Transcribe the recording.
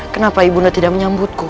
kenapa ibu bunda tidak menyambutku